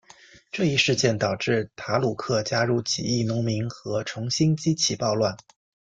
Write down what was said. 这一事件导致塔鲁克加入起义农民和重新激起暴乱。